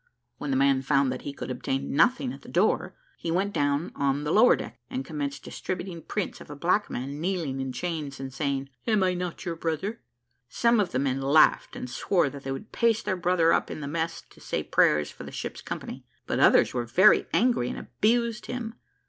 When the man found that he could obtain nothing at the door, he went down on the lower deck, and commenced distributing prints of a black man kneeling in chains and saying, "Am not I your brother?" Some of the men laughed, and swore that they would paste their brother up in the mess to say prayers for the ship's company; but others were very angry, and abused him.